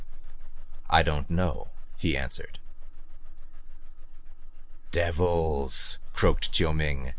"I don't know," he answered. "Devils," croaked Chiu Ming.